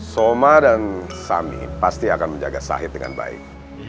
soma dan sami pasti akan menjaga sahid dengan baik